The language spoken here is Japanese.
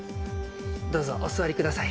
どうぞお座りください。